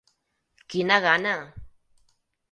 Quina gana!